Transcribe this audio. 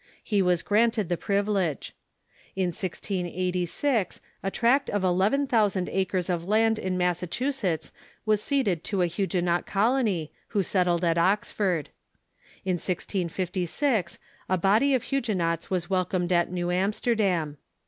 He was granted the privilege. In 1686 a tract of eleven thousand acres of land in Massachusetts was ceded to a Pluguenot col ony, who settled at Oxford. In 1656 a body of Huguenots was welcomed at New Amsterdam.